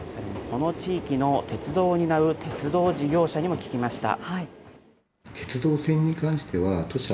この地域の鉄道を担う鉄道事業者にも聞きました。